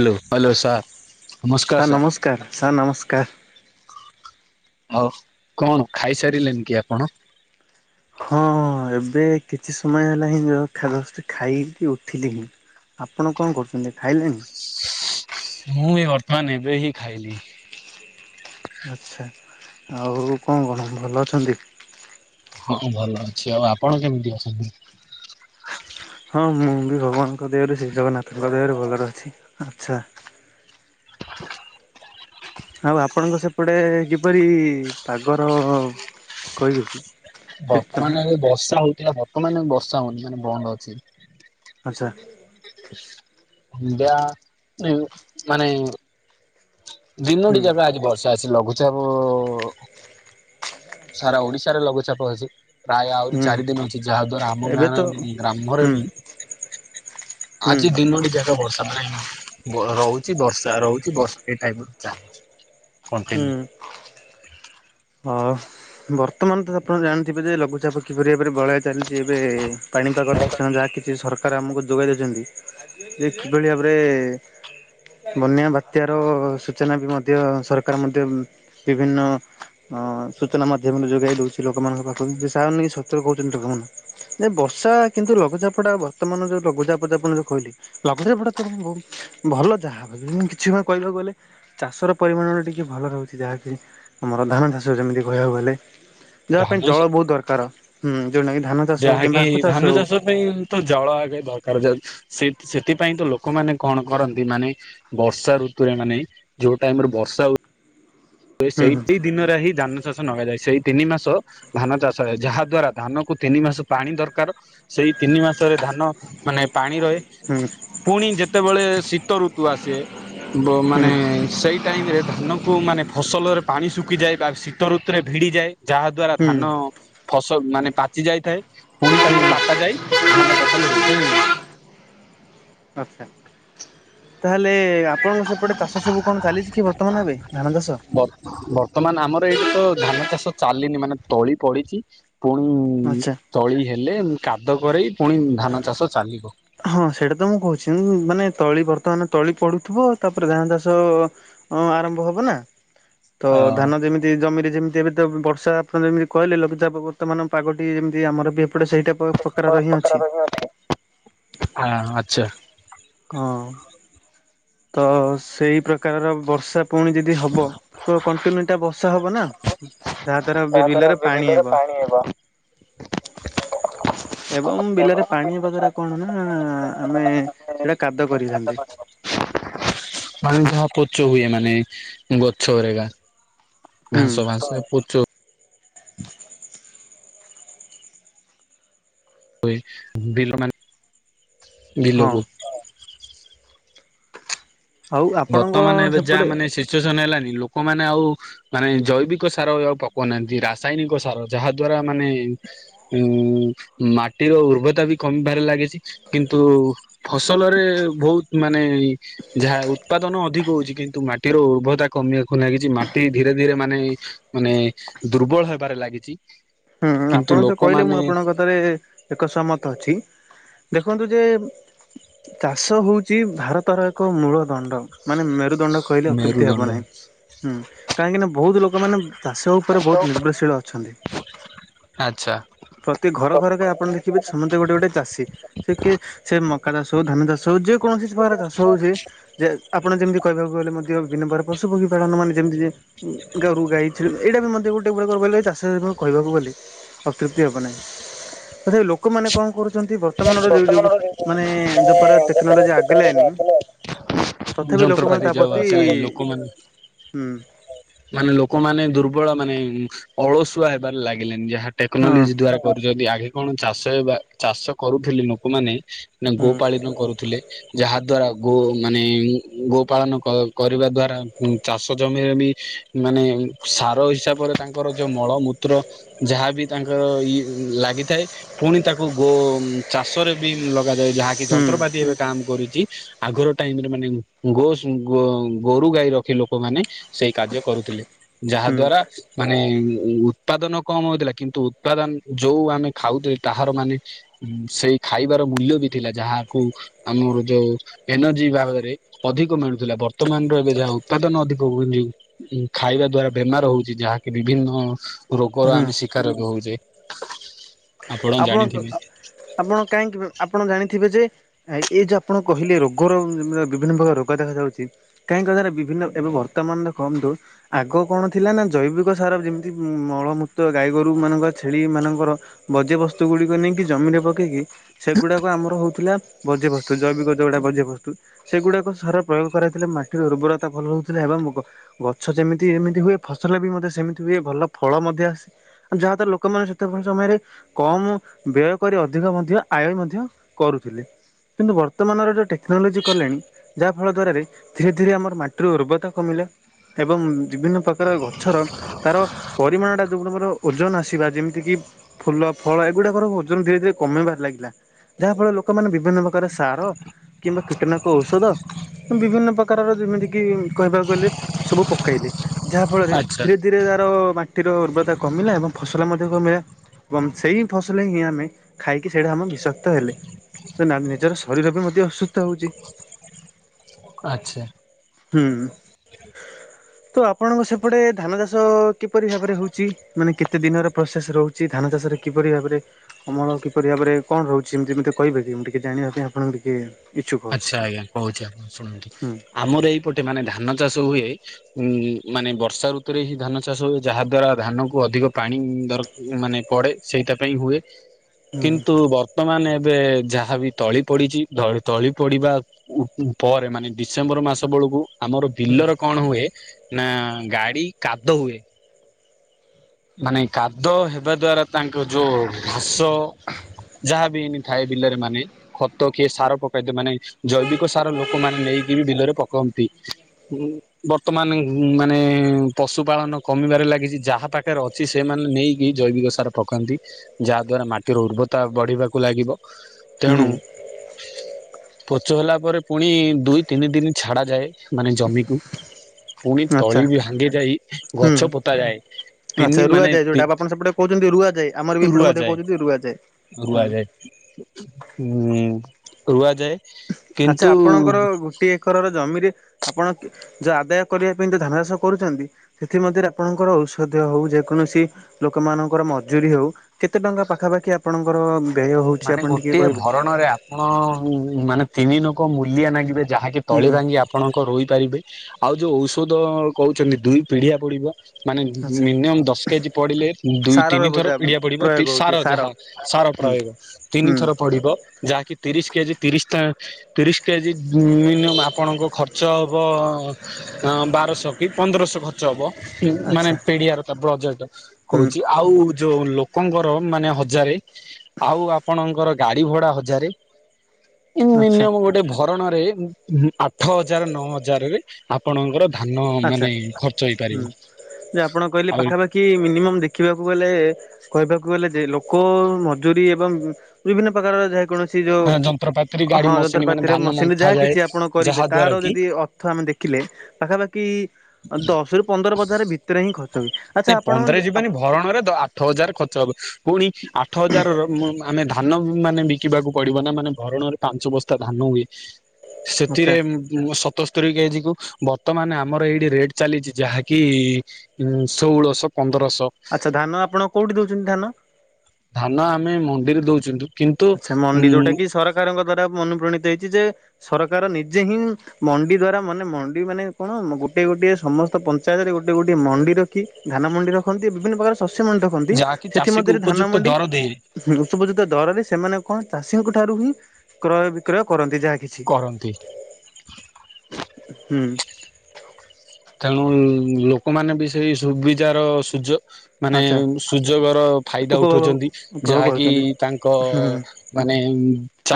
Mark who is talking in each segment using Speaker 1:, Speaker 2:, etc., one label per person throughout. Speaker 1: Hello -hello sir ନମସ୍କାର୍ sir.
Speaker 2: କାର୍ -sir ନମସ୍କାର୍।
Speaker 1: ହଉ କଣ ଖାଇସାରିଲେନି କି ଆପଣ?
Speaker 2: ହଁ ଏବେ କିଛି ସମୟ ହେଲା ହିଁ [unintelligible] ଜଷ୍ଟ୍ ଖାଇକି ଉଠିଲି ହିଁ। ଆପଣ କଣ କରୁଚନ୍ତି ଖାଇଲେଣି?
Speaker 1: ମୁଁ ଏ ବର୍ତ୍ତମାନ୍ ଏବେ ହିଁ ଖାଇଲିି।
Speaker 2: ଆଚ୍ଛା ଆଉ କଣ- କଣ ଭଲ ଅଛନ୍ତି?
Speaker 1: ହଁ ଭଲ ଅଛି- ଆଉ ଆପଣ କେମିତି ଅଛନ୍ତି?
Speaker 2: ହଁ ମୁଁ ବି ଭଗବାନ୍ ଙ୍କ ଦୟାରୁ ଶ୍ରୀ ଜଗନ୍ନାଥଙ୍କ ଦୟାରୁ ଭଲରେ ଅଛି।
Speaker 1: [inaudible]
Speaker 2: ଆଉ ଆପଣଙ୍କ ସେପଟେ କିପରି ପାଗ ର କହିବେ କି?
Speaker 1: ବର୍ତ୍ତମାନ ଏବେ ବର୍ଷା ହଉଥିଲା ବର୍ତ୍ତମାନ ବର୍ଷା ହଉନି ମାନେ ବନ୍ଦ ଅଛି।
Speaker 2: ଆଚ୍ଛା।
Speaker 1: ଯା ଉମ ମାନେ- ଦିନୋଟି
Speaker 2: ହୁଁ
Speaker 1: ଯାକ ଆଜି ବର୍ଷା ଆସି ଲଘୁଚାପ ସାରା ଓଡିଶାରେ ଲଘୁଚାପ ଅଚି। ପ୍ରାୟ ଆହୁରି
Speaker 2: ହୁଁ
Speaker 1: ଚାରି ଦିନି ଅଛି ଯାହା ଦ୍ଵାରା ଆମ
Speaker 2: ଏବେ
Speaker 1: ଗାଁ
Speaker 2: ତ
Speaker 1: ର ଗ୍ରାମରେ
Speaker 2: ହୁଁ
Speaker 1: ବି
Speaker 2: ହୁଁ
Speaker 1: ଆଜି ଦିନଟି ଯାକ ବର୍ଷା ପାଇଁ - [unintelligible] ରହୁଛି ବର୍ଷା ରହୁଛି ବର୍ଷ ଏଇ ଟାଇପର ଚାଲିଚି କଣ୍ଟିନୁ।
Speaker 2: ଅ ବର୍ତ୍ତମାନ ତ ଆପଣ ଜାଣିଥିବେ ଯେ ଲଘୁଚାପ କିପରି ଭାବରେ [unintelligible] ଯେ ଏବେ ପାଣିପାଗର ସୂଚନା ଯାହା କିଛି ସର- ସକାର ଆମକୁ ଯୋଗାଇ ଦେଉଚନ୍ତି ଯେ କିଭଳି ଭାବରେ ବନ୍ୟା ବାତ୍ୟାର ସୂଚନା ବି ମଧ୍ୟ ସରକାର ମଧ୍ୟ ବିଭିନ୍ନ ହଁ ସୂଚନା ମାଧ୍ୟମରେ ଯୋଗାଇ ଦଉଛି ଲୋକମାନଙ୍କ ପାଖକୁ [unintelligible] ଯେ ବର୍ଷା କିନ୍ତୁ ଲଘୁଚାପ ଟା ବର୍ତ୍ତମାନ ଯୋଉ ଲଘୁଚାପ ଯାପନ ଯୋଉ କହିଲି ଲଘୁଚାପ ଟା ତ ବୋହୁ ଭଲ ଯାହା ହେବ ବି କିଛି କଣ କହିବାକୁ ଗଲେ- ଚାଷ ର ପରିମାଣରେ ଟିକିଏ ଭଲ ରହୁଛି ଯାହାକି ଆମର ଧାନ ଚାଷ ଯେମିତି କହିବାକୁ ଗଲେ ଯାହା ପାଇଁ
Speaker 1: ଧାନ
Speaker 2: ଜଳ ବହୁତ ଦରକାର ହୁଁ ଯେଉଟାକି ଧାନ ଚାଷ କିମ୍ବା ଆଖୁ ଚାଷ ହଉ।
Speaker 1: ସେ ପାଇଁ ତ ଜଳ ଆଗେ ଦରକାର ସେ ସେଥିପାଇଁ ତ ଲୋକମାନେ କଣ କରନ୍ତି ମାନେ ବର୍ଷା ଋତୁରେ ମାନେ ଯୋଉ ଟାଇମରେ ବର୍ଷା ଉ
Speaker 2: ହୁଁ
Speaker 1: ସେଇ ତି ଦିନରେ ହିଁ ଧାନ ଚାଷ ଲଗାଯାଏ ସେଇ ତିନି ମାସ ଧାନ ଚାଷ ଯାହା ଦ୍ଵାରା ଧାନ କୁ ତିନି ମାସ ପାଣି ଦରକାର ସେଇ ତିନି ମାସରେ ଧାନ ମାନେ ପାଣି ରହେ
Speaker 2: ହୁଁ
Speaker 1: ପୁଣି ଯେତେବେଳେ ଶୀତ ଋତୁ ଆସେ ବ ମାନେ
Speaker 2: ହୁଁ
Speaker 1: ସେଇ ଟାଇମରେ ଧାନକୁ ମାନେ ଫସଲରେ ପାଣି ଶୁଖିଯାଏ ବା ଶୀତ ଋତୁରେ ଭିଡ଼ିଯାଏ ଯାହା ଦ୍ଵାରା
Speaker 2: ହୁଁ
Speaker 1: ଧାନ ଫସ ମାନେ ପାଚି ଯାଇଥାଏ ପୁଣି ତାକୁ କାଟା ଯାଇ ଧାନ ଫସଲ ହୁଏ।
Speaker 2: ଆଛା ତାହେଲେ ଆ - ଆପଣଙ୍କ ସେପଟେ ଚାଷ ସବୁ କଣ ଚାଲିଚି କି ବର୍ତ୍ତମାନ ଏବେ ଧାନ ଚାଷ?
Speaker 1: ବର୍ତ୍ତମାନ ଆମର ଏଇଠି ତ ଧାନ ଚାଷ ଚାଲିନି ମାନେ ତଳି ପଡିଚି ପୁଣି
Speaker 2: ଆଚ୍ଛା।
Speaker 1: ତଳି ହେଲେ କାଦ କରେଇ ପୁଣି ଧାନ ଚାଷ ଚାଲିବ।
Speaker 2: ହଁ ସେଇଟା ତ ମୁଁ କହୁଛି ମାନେ ତଳି ବର୍ତ୍ତମାନ ତଳି ପଡୁଥିବ ତାପରେ ଧାନ ଚାଷ ହଁ ଆରମ୍ଭ ହବ ନା ତ
Speaker 1: ଅ
Speaker 2: ଧାନ ଯେମିତି ଜମିରେ ଯେମିତି ଏବେ ତ ବର୍ଷା ଆପଣ ଯେମିତି କହିଲେ ଲଘୁଚାପ ବର୍ତ୍ତମାନ ପାଗଟି ଏମିତି ଆମର ବି ଏପଟେ ସେଇଟା ପ
Speaker 1: [unintelligible] ଆଛା।
Speaker 2: ହଁ ତ ସେଇ ପ୍ରକାରର ବର୍ଷା ପୁଣି ଯେ ଯଦି ହବ ତ କଣ୍ଟିନ୍ୟୁ ଟା ବର୍ଷା ହବ ନା ଯାହା ଦ୍ଵାରା ବିଲରେ ପାଣି ହେବ।
Speaker 1: [unintelligible]
Speaker 2: ଏବଂ ବିଲରେ ପାଣି ହେବା ଦ୍ୱରା କଣ ନା ଆମେ ସେଇଟା କାଦ କରିଥାନ୍ତି।
Speaker 1: ମାନେ ପାଣି ଯାହା ପୋଚ ହୁଏ ମାନେ ଗଛ ହେରିକା
Speaker 2: ହୁଁ
Speaker 1: ଘାସ ଫାସ ହୁଏ। ବିିଲ ମାନେ
Speaker 2: ହଁ
Speaker 1: ବିିଲକୁ
Speaker 2: ଆଉ ଆପଣଙ୍କ
Speaker 1: ବର୍ତ୍ତମାନ ଏବେ
Speaker 2: ସେପଟେ
Speaker 1: ଯାହା ମାନେ ସିଚୁଏସନ ହେଲାନି ଲୋକମାନେ ଆଉ ମାନେ ଜୈବିକ ସାର ଆଉ ପକଉନାହାନ୍ତି। ରାସାୟନିକ ସାର ଯାହା ଦ୍ଵାରା ମାନେ ଉଁ ମାଟିର ଉର୍ବରତା ବି କମିବାରେ ଲାଗିଛି। କିନ୍ତୁ ଫସଲରେ ବହୁତ ମାନେ ଯାହା ଉତ୍ପାଦନ ଅଧିକ ହଉଛି କିନ୍ତୁ ମାଟିର ଉର୍ବତା କମିବାକୁ ନାଗିଛି, ମାଟି ଧୀରେ ଧୀରେ ମାନେ ମାନେ ଦୁର୍ବଳ ହେବାରେ ଲାଗିଚି।
Speaker 2: ହୁଁ ଆପଣ ତ କହିଲେ ମୁଁ ଆପଣଙ୍କ କଥାରେ ଏକ ସହମତ ଅଛି, ଦେଖନ୍ତୁ ଯେ ଚାଷ ହଉଚି ଭାରତର ଏକ ମୂଳ ଦଣ୍ଡ ମାନେ ମେରୁ ଦଣ୍ଡ କହିଲେ ଅତ୍ୟୁପ୍ତି
Speaker 1: ମେରୁଦଣ୍ଡ
Speaker 2: ହେବ ନାହିଁ ହୁଁ, କାହିଁକିନା ବହୁତ ଲୋକମାନେ ଚାଷ ଉପରେ ବହୁତ ନିର୍ଭରଶୀଳ ଅଛନ୍ତି।
Speaker 1: ଆଚ୍ଛା।
Speaker 2: ପ୍ରତି ଘର ଘରକେ ଆପଣ ଦେଖିବେ ସମସ୍ତେ ଗୋଟେ ଗୋଟେ ଚାଷୀ। ସେକି, ସେ ମକା ଚାଷ ହଉ, ଧାନ ଚାଷ ହଉ, ଯେ କୌଣସି ପ୍ରକାର ଚାଷ ହଉଚି ଯେ ଆପଣ ଯେମିତି କହିବାକୁ ଗଲେ ମଧ୍ୟ ବିଭିନ୍ନ ପ୍ରକାର ପଶୁ ପକ୍ଷୀ ପାଳନ ମାନେ ଯେମିତି ଯେ ଗରୁ ଗାଈ ଛେଳି, ଏଇଟା ବି ମତେ ଗୋଟେ ପ୍ରକାର କହିଲେ ଚାଷ [unintelligible] କହିବାକୁ ଗଲେ ଅତୃପ୍ତି ହେବ ନାହିଁ, ତଥାବି ଲୋକମାନେ କଣ କରୁଚନ୍ତି ବ ର୍ତ୍ତମାନର ଯୋଉ ଯୋଉ ମାନେ ଯୋଉପରା ଟେକ୍ନୋଲୋଜି ଆଗେଲାନି ତଥାପି ଲୋକମାନେ
Speaker 1: ଯନ୍ତ୍ରପାତି
Speaker 2: ତା
Speaker 1: ଯୋଉ
Speaker 2: ପ୍ରତି,
Speaker 1: ଆସିଲାଣି ଲୋକମାନେ
Speaker 2: ହୁଁ।
Speaker 1: ମାନେ ଲୋକମାନେ ଦୁର୍ବଳ ମାନେ ଅଳସୁଆ ହେବାରେ ଲାଗିଲେନି ଯାହା
Speaker 2: ହଁ
Speaker 1: ଟେକ୍ନୋଲୋଜି ଦ୍ଵାରା କରୁଛନ୍ତି ଆଗେରେ କଣ ଚାଷ ହେବା ଚାଷ କରୁଥିଲି ଲୋକମାନେ ନା
Speaker 2: ହୁଁ
Speaker 1: ଗୋପାଳିନ କରୁଥିଲେ। ଯାହାଦ୍ଵାରା ଗୋ ମାନେ ଗୋପାଳନ କ କରିବା ଦ୍ଵାରା ଚାଷ ଜମିରେବି ମାନେ ସାର ହିସାବରେ ତାଙ୍କର ଯୋଉ ମଳମୂତ୍ର ଯାହାବି ତାଙ୍କର ଇଏ ଲାଗିଥାଏ ପୁଣି ତାକୁ ଗୋ ଉଁ ଚାଷରେ ବି ଲଗାଯାଏ ଯାହାକି
Speaker 2: ହୁଁ
Speaker 1: ଯନ୍ତ୍ରପାତି ଏବେ କାମ୍ କରୁଚି। ଆଗରୁ ଟାଇମରେ ମାନେ ଗୋଷ୍ [unintelligible] ଗୋରୁ ଗାଈ ରଖି ଲୋକମାନେ ସେଇ କାର୍ଯ୍ୟ କରୁଥିଲେ,
Speaker 2: ହୁଁ
Speaker 1: ଯାହାଦ୍ୱାରା ମାନେ ଉତ୍ପାଦନ କମ୍ ହଉଥିଲା କିନ୍ତୁ ଉତ୍ପାଦନ ଯୋଉ ଆମେ ଖାଉଥିଲେ ତାହାର ମାନେ ଉଁ ସେଇ ଖାଇବାର ମୂଲ୍ୟ ବି ଥିଲା ଯାହାକୁ ଆମର ଯୋଉ ଏନର୍ଜି ଭାଗରେ ଅଧିକ ମିଳୁଥିଲା, ବର୍ତ୍ତମାନର ଏବେ ଯାହା ଉତ୍ପାଦନ ଅଧିକ ହଉନି। ହୁଁ ଖାଇବା ଦ୍ଵାରା ବେମାର ହଉଛି ଯାହାକି ବିଭିନ୍ନ ରୋଗର
Speaker 2: ହୁଁ
Speaker 1: ଆମେ ଶିକାର ବି ହଉଛେ। ଆପଣ ଜାଣିଥିବେ।
Speaker 2: ଆପଣ କାହିଁକି ଆପଣ ଜାଣି ଥିବେ ଯେ ଆ ଏ ଯୋଉ ଆପଣ କହିଲେ ରୋଗର ବିଭିନ୍ନ ପ୍ରକାର ରୋଗ ଦେଖାଯାଉଛି କାହିଁ କଥାରେ ବି ଭିନ୍ନ ଏବେ ବର୍ତ୍ତମାନରେ କମ୍ ଦଉ। ଆଗ କଣ ଥିଲା ନା ଜୈବିକ ସାର ଯେମିତି ମଳମୂତ୍ର ଗାଈଗୋରୁ ମାନଙ୍କର ଛେଳି ମାନଙ୍କର ବର୍ଜ୍ୟ ବସ୍ତୁଗୁଡିକ ନେଇକି ଜମିରେ ପକେଇକି ସେଗୁଡ଼ାକ ଆମର ହଉଥିଲା ବର୍ଜ୍ୟବସ୍ତୁ ଜୈବିକ ଯଉଗୁଡ଼ା ବର୍ଜ୍ୟବସ୍ତୁ। ସେଗୁଡ଼ାକ ସାର ପ୍ରୟୋଗ କରାଇଥିଲେ ମାଟିର ଉର୍ବରତା ଭଲ ରହୁଥିଲା ଏବଂ ମୁଗ। ଗଛ ଯେମିତି ଏମିତି ହୁଏ ଫସଲ ବି ମଧ୍ୟ ସେମିତି ହୁଏ ଭଲ ଫଳ ମଧ୍ୟ ଆସେ। ଆ ଯାହାଦ୍ୱାରା ଲୋକମାନେ ସେତେବେଳ ସମୟରେ କମ୍ ବ୍ୟୟ କରି ଅଧିକ ମଧ୍ୟ ଆୟ ମଧ୍ୟ କରୁଥିଲେ। କିନ୍ତୁ ବର୍ତ୍ତମାନର ଯୋଉ ଟେକ୍ନୋଲୋଜି କଲେଣି ଯାହା ଫଳ ଦ୍ଵାରାରେ ଧୀରେ ଧୀରେ ଆମର ମାଟିର ଉର୍ବତା କମିଲା ଏବଂ ବିଭିନ୍ନ ପ୍ରକାର ଗଛର ତାର ପରିମାଣଟା ଯୋଉ [unintelligible] ଓଜନ ଆସିବା ଯେମିତି କିି ଫୁଲ ଫଳ ଏଗୁଡ଼ାକର ଓଜନ ଧୀରେ ଧୀରେ କମେଇବାରେ ଲାଗିଲା। ଯାହା ଫଳରେ ଲୋକମାନେ ବିଭିନ୍ନ ପ୍ରକାର ସାର, କିମ୍ବା କୀଟନାକ ଔଷଧ ବିଭିନ୍ନ ପ୍ରକାରର ଯେମିତି କିି କହିବାକୁ ଗଲେ ସବୁ ପକେଇଲେ ଯାହାଫଳରେ
Speaker 1: ଆଚ୍ଛା
Speaker 2: ଧୀରେ ଧୀରେ ଆର ମାଟିର ଉର୍ବରତା କମିଲା ଏବଂ ଫସଲ ମଧ୍ୟ କମିଲା। ଏବଂ ସେଇ ଫସଲ ହିଁ ଆମେ ଖାଇକି ସେଇଟା ଆମେ ବିଷାକ୍ତ ହେଲେ। ନା ନିଜର ଶରୀର ବି ମଧ୍ୟ ଅସୁସ୍ଥ ହଉଛି।
Speaker 1: [inaudible] ଆଚ୍ଛା।
Speaker 2: ହୁଁ।
Speaker 1: [inaudible]
Speaker 2: ତ ଆପଣଙ୍କ ସେପଟେ ଧାନ ଚାଷ କିପରି ଭାବରେ ହଉଛି ମାନେ କେତେ ଦିନର ପ୍ରୋସେସ ରହୁଛି ଧାନ ଚାଷରେ? କିପରି ଭାବରେ ଅମଳ କିପରି ଭାବରେ କଣ ରହୁଛି ଏମିତି ମୋତେ କହିପାରିବେ ଟିକେ ଜାଣିବା ପାଇଁ ଆପଣଙ୍କୁ ଟିକିଏ।
Speaker 1: ଆଚ୍ଛା ଆଜ୍ଞା କହୁଛି ଆପଣ ଶୁଣନ୍ତୁ
Speaker 2: ହୁଁ
Speaker 1: ଆମର ଏଇପଟେ ମାନେ ଧାନ ଚାଷ ହୁଏ। ଉଁ ମାନେ ବର୍ଷା ଋତୁରେ ହିଁ ଧାନ ଚାଷ ହୁଏ ଯାହା ଦ୍ଵାରା ଧାନ କୁ ଅଧିକ ପାଣି ଦର ମାନେ ପଡେ ସେଇଟା ପାଇଁ ହୁଏ।
Speaker 2: ହୁଁ
Speaker 1: କିନ୍ତୁ ବର୍ତ୍ତମାନ ଏବେ ଯାହାବି ତଳି ପଡିଛି ତଳି ତଳି ପଡିବା ପରେ ମାନେ ଡିସେମ୍ବର ମାସ ବେଳକୁ ଆମର
Speaker 2: ହୁଁ
Speaker 1: ବିଲର କଣ ହୁଏ। ନା ଗାଡି କାଦ ହୁଏ। ମାନେ କାଦ ହେବା ଦ୍ଵାରା ତାଙ୍କ ଯୋଉ ଘାସ ଯାହାବି ଥାଏ ବିଲରେ ମାନେ ଖତ କିଏ ସାର ପକାଇଦ ମାନେ ଜୈବିକ ସାର ଲୋକମାନେ ବିଲରେ ପକାନ୍ତି। ଉଁ ବର୍ତ୍ତମାନ ମାନେ ପଶୁ ପାାଳନ କମିବାରେ ଲାଗିଛି ଯାହା ପାଖ ର ଅଛି ସେମାନେ ନେଇକି ଜୈବିକ ସାର ପକାନ୍ତି। ଯାହା ଦ୍ଵାରା ମାଟିର ଉର୍ବରତା ବଢିବାକୁ ଲାଗିବ। ତେଣୁ
Speaker 2: ହୁଁ
Speaker 1: ପୋଚ ହେଲା ପରେ ପୁଣି ଦୁଇ ତିନି ଦିନ ଛଡା ଯାଏ। ମାନେ ଜମିକୁ ପୁଣି
Speaker 2: ଆଚ୍ଛା
Speaker 1: ତଳି ବି ସାଙ୍ଗେ ଯାଇ
Speaker 2: ହୁଁ।
Speaker 1: ଗଛ ପୋତା ଯାଏ। ତିନି
Speaker 2: ଆଚ୍ଛା
Speaker 1: ମାନେ
Speaker 2: ରୁଆଯାଏ ଯୋଉଟା ଆପଣ ସେପଟେ କହୁଛନ୍ତି ରୁଆ ଯାଏ ଆମର ବି ଏପଟେ କହୁଛନ୍ତି ରୁଆ ଯାଏ ହୁଁ।
Speaker 1: ହୁଁ ରୁଆଯାଏ
Speaker 2: ଆଚ୍ଛା
Speaker 1: କିନ୍ତୁ
Speaker 2: ଆପଣଙ୍କର ଗୋଟିଏ ଏକରର ଜମିରେ ଆପଣ ଯୋଉ ଆଦାୟ କରିବା ପାଇଁ ଯୋଉ ଧାନ ଚାଷ କରୁଛନ୍ତି। ସେଥି ମଧ୍ୟରେ ଆପଣଙ୍କର ଔଷଧ ଦିଆ ହଉ ଯେକୌଣସି ଲୋକମାନଙ୍କର ମଜୁୁରୀ ହଉ କେତେ ଟଙ୍କା ପାଖାପାଖି ଆପଣଙ୍କର ବ୍ୟୟ ହେଉଛି ଆପଣ ଟିକିଏ କହିବେ।
Speaker 1: ଣ ମାନେ ତିନି ଲୋକ ମୂଲିଆ ନାଗିବେ ଯାହାକି
Speaker 2: ହୁଁ
Speaker 1: ତଳି ଭାଙ୍ଗିଆ ଆପଣଙ୍କ ରୋଇପାରିବେ ଆଉ ଯୋଉ ଔଷଧ କହୁଛନ୍ତି ଦୁଇ ପିଢିଆ ପଡିବ। ମାନେ
Speaker 2: ଆଚ୍ଛା।
Speaker 1: ମିନିମମ୍ ଦଶ କେଜି ପଡିଲେ ଦୁଇ
Speaker 2: ସାରର
Speaker 1: ତିନି ଥର
Speaker 2: ବୋଧେ
Speaker 1: ପିଡିଆ ପଡିବ କି
Speaker 2: ପ୍ରୟୋଗ ହଉଛି
Speaker 1: ସାର ଯାହା। ସାର
Speaker 2: ହୁଁ
Speaker 1: ପ୍ରହବ ତିନି
Speaker 2: ହୁଁ
Speaker 1: ଥର ପଡିବ ଯାହାକି ତିରିଶ କେଜି ତିରିଶିଟା ତିରିଶ କେଜି ମିନିମମ୍ ଆପଣଙ୍କ ଖର୍ଚ୍ଚ ହବ ବାରଶହ କି ପନ୍ଦରଶହ ଖ ଖର୍ଚ୍ଚ ହବ ମାନେ
Speaker 2: ଆଚ୍ଛା
Speaker 1: ପିଡିଆର ତ ବଜେଟ୍
Speaker 2: ହୁଁ।
Speaker 1: କହୁଛି ଆଉ ଯୋଉ ଲୋକଙ୍କର ମାନେ ହଜାରେ ଆଉ ଆପଣଙ୍କର ଗାଡି ଭଡା ହଜାରେ
Speaker 2: ଆଚ୍ଛା
Speaker 1: ଗୋଟେ ଭ କାରଣରେ ଆଠ ହଜାର ନଅ ହଜାରରେ ଆପଣଙ୍କର ଧାନ
Speaker 2: ଆଚ୍ଛା
Speaker 1: ମାନେ ଖର୍ଚ୍ଚ ହେଇପାରିବ ଆଉ
Speaker 2: କି ମିନିମମ୍ ଦେଖିବାକୁ ଗଲେ। କହିବାକୁ ଗଲେ ଯେ ଲୋକ ମଜୁରୀ ଏବଂ ବିଭିନ୍ନ ପ୍ରକାରର ଯେ କୌଣସି କି ଯୋଉ
Speaker 1: ଯନ୍ତ୍ରପାତିରେ ଗାଡି
Speaker 2: ହଁ
Speaker 1: ମସିନ ମାନେ
Speaker 2: ଯନ୍ତ୍ରପାତିର
Speaker 1: ଧାନ
Speaker 2: ମେସିନରେ
Speaker 1: ମନ୍ଥା
Speaker 2: ଯାହା
Speaker 1: ଯାଏ
Speaker 2: କିଛି ଆପଣ କରିବେ
Speaker 1: ଯାହା
Speaker 2: ତାର
Speaker 1: ଦ୍ଵାରା କି
Speaker 2: ଯଦି ଅ ଅଥୟ ଆମେ ଦେଖିଲେ ପାଖାପାଖି ଦଶ ରୁ ପନ୍ଦର ବଜାର ଭିତରେ ହିଁ ଖର୍ଚ୍ଚ ଆଚ୍ଛା
Speaker 1: ନାଇଁ
Speaker 2: ଆପଣ
Speaker 1: ପନ୍ଦର ଯିବାନି ଭରଣରେ ଦ ଆଠ ହଜାର ଖର୍ଚ୍ଚ ହବ ପୁଣି ଆଠ ହଜାରର ମୁ ଆମେ ଧାନ ଉଁ ମାନେ ବି କିବାକୁ ପଡିବ ନା ମାନେ ଭରଣରେ ପାଞ୍ଚ ବସ୍ତା ଧାନ ହୁଏ।
Speaker 2: ଆଚ୍ଛା
Speaker 1: ସେଥିରେ ଉଁ ଉଁ ସତସ୍ତରୀ କେ ଜି କୁ ବର୍ତ୍ତମାନ ଆମର ଏଇ। ରେଟ୍ ଚାଲିଛି ଯାହା କି ଉଁ ଷୋଳଶ ପନ୍ଦରଶ।
Speaker 2: ତ ଧାନ ଆପଣ କୋଉଠି ଦଉଛନ୍ତି ଧାନ?
Speaker 1: ଧାନ ଆମେ ମଣ୍ଡି ରେ ଦଉଚୁ ନ୍ତୁ କିନ୍ତୁ ଉଁ।
Speaker 2: କାରଙ୍କ ଦ୍ଵାରା ମୁଁ ଅନୁପ୍ରାଣିତ ହେଇଛି ଯେ ସରକାର ନିଜେ ହିଁ। ମଣ୍ଡି ଦ୍ଵାରା ମାନେ ମଣ୍ଡି ମାନେ କଣ ମ ଗୋଟିଏ ଗୋଟିଏ ସମସ୍ତ ପଞ୍ଚାୟତରେ ଗୋଟିଏ ଗୋଟିଏ ମଣ୍ଡିର। ଖି ଧାନ ମଣ୍ଡି ରଖନ୍ତି ବିଭିନ୍ନ ପ୍ରକାର ଶସ୍ୟ ମଣ୍ଡି ରଖନ୍ତି
Speaker 1: ଯାହାକି
Speaker 2: ସେଥି ମଧ୍ୟ
Speaker 1: ଚାଷୀକୁ
Speaker 2: ରେ ଧାନ
Speaker 1: ଉପଯୁକ୍ତ
Speaker 2: ମଣ୍ଡି।
Speaker 1: ଦର ଦେଇ
Speaker 2: ହୁଁ ଉଷୁପିଜିତ ଦରରେ ସେମାନେ କଣ ଚାଷୀଙ୍କ ଠାରୁ ହିଁ କ୍ରୟ ବିକ୍ରୟ କରନ୍ତି ଯା କିଛି
Speaker 1: କରନ୍ତି
Speaker 2: ହୁଁ।
Speaker 1: ତେଣୁ ଲୋକମାନେ ବି ସେଇ ସୁବିଧାର ସୁଯୋ ମାନେ
Speaker 2: ଆଚ୍ଛା
Speaker 1: ସୁଯୋଗର ଫାଇଦା
Speaker 2: ଉପଭୋଗ
Speaker 1: ଉଠଉଛନ୍ତି
Speaker 2: ଉପଭୋଗ
Speaker 1: ଯାହାକି
Speaker 2: କରୁଛନ୍ତି
Speaker 1: ତାଙ୍କ
Speaker 2: ହୁଁ।
Speaker 1: ମାନେ ଉଁ।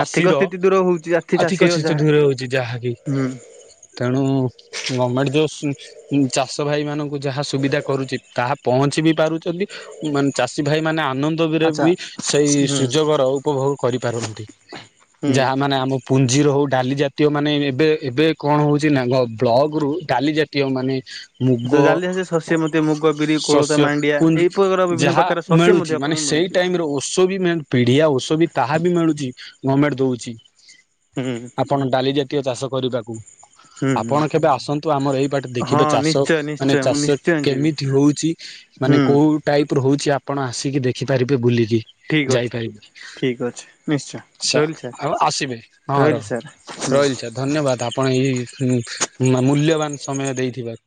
Speaker 2: ଆର୍ଥିକ ସ୍ଥିତି ଦୂର ହଉଛି ଆର୍ଥି
Speaker 1: ଆର୍ଥିକ
Speaker 2: ଚାଷୀର
Speaker 1: ସ୍ଥିତି
Speaker 2: ଯାହା
Speaker 1: ଦୂରଉଛି ଯାହାକି।
Speaker 2: ହୁଁ
Speaker 1: ତେଣୁ ଗମେଣ୍ଟ ଜୋସ୍ ଇଁ ଇଁ ଚାଷ ଭାଇ ମାନଙ୍କୁ ଯାହା ସୁବିଧା କରୁଛି ତାହା ପହଞ୍ଚି ବି ପାରୁଛନ୍ତି। ମାନ୍ ଚାଷୀ ଭାଇ ମାନେ ଆନ [unintelligible] ରେ
Speaker 2: ଆଚ୍ଛା
Speaker 1: ବି ସେଇ
Speaker 2: ହୁଁ
Speaker 1: ସୁଯୋଗ ର ଉପଭୋଗ କରିପାରନ୍ତି।
Speaker 2: ହୁଁ।
Speaker 1: ଯାହା ମାନେ ଆମ। ପୁଞ୍ଜିର ହଉ ଡାଲି ଜାତୀୟ ମାନେ ଏବେ ଏବେ କଣ ହଉଛି ନା ଗ ବ୍ଲକରୁୁ ଡାଲି ଜା ତୀୟ ମାନେ ମୁଗ
Speaker 2: ଜାଲି ଚାଷ ଶସ୍ୟ
Speaker 1: ଅ
Speaker 2: ମଧ୍ୟ ମୁଗ ବିରି କୋଳଥ
Speaker 1: ଶସ୍ୟ,
Speaker 2: ମାଣ୍ଡିଆ
Speaker 1: ପୁଞ୍ଜି
Speaker 2: ଏଇ ପ୍ରକାର ବିଭିନ୍ନ
Speaker 1: ଯାହା।
Speaker 2: ପ୍ରକାର ଶସ୍ୟ ମଧ୍ୟ
Speaker 1: ମିଳୁଛି ମାନେ
Speaker 2: ଆପଣଙ୍କୁ
Speaker 1: ସେଇ
Speaker 2: ମିଳୁଛି।
Speaker 1: ଟାଇମ୍ ର ଓ ଷ ବି ମେନ ପିଢିଆ, ଓଷ ବି ତାହା ବି ମିଳୁଛି ଗମେଣ୍ଟ ଦଉଛି।
Speaker 2: ହୁଁ।
Speaker 1: ଆପଣ ଡାଲି ଜାତୀୟ ଚାଷ କରିବାକୁ
Speaker 2: ହୁଁ ହୁଁ
Speaker 1: ଆପଣ କେବେ ଆସନ୍ତୁ ଆମର ଏଇ ବାଟ
Speaker 2: ହଁ
Speaker 1: ଦେଖିବେ ଚାଷ
Speaker 2: ନିଶ୍ଚୟ
Speaker 1: ମାନେ
Speaker 2: ନିଶ୍ଚୟ ମୁଁ
Speaker 1: ଚାଷ
Speaker 2: ନିଶ୍ଚୟ ଯିବି
Speaker 1: କେମିତି ହଉଛି ମାନେ
Speaker 2: ହୁଁ
Speaker 1: କୋଉ। ଟାଇପ୍ ର ହଉଛି ଆପଣ ଆସିକି ଦେଖିପାରିବେ ବୁଲିକି
Speaker 2: ଠିକ ଅଛି।
Speaker 1: ଯାଇପାରିବେ।
Speaker 2: ଠିକ ଅଛି ନିଶ୍ଚୟ
Speaker 1: ଛା
Speaker 2: ରହିଲି ସାର୍
Speaker 1: ଆଉ ଆସିବେ ହଁ
Speaker 2: ରହିଲି
Speaker 1: ରହ
Speaker 2: ସାର୍ ହୁଁ।
Speaker 1: ରହିଲି ଧନ୍ୟବାଦ ଆପଣ ଏଇ ଉଁ ମା ମୂଲ୍ୟବାନ୍ ସମୟ ଦେଇଥିବା